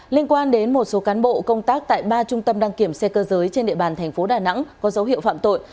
liên quan đến một số cán bộ công tác tại ba trung tâm đăng kiểm xe cơ giới trên địa bàn thành phố đà nẵng có dấu hiệu phạm tội